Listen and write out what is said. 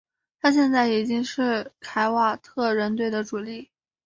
他现在已经是凯尔特人队的主力。